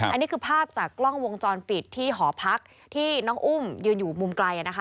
อันนี้คือภาพจากกล้องวงจรปิดที่หอพักที่น้องอุ้มยืนอยู่มุมไกลนะคะ